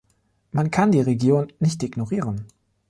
Man kann die Region nicht ignorieren.